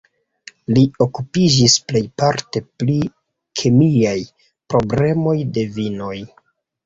Li okupiĝis plejparte pri kemiaj problemoj de vinoj.